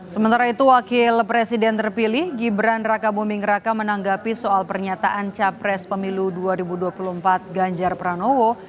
sementara itu wakil presiden terpilih gibran raka buming raka menanggapi soal pernyataan capres pemilu dua ribu dua puluh empat ganjar pranowo